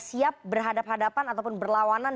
siap berhadapan hadapan ataupun berlawanan